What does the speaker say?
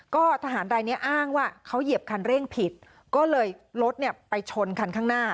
ก็ทหารรายนี้อ้างว่าเขาเหยียบคันเร่งผิดก็เลยรถเนี่ยไปชนคันข้างหน้า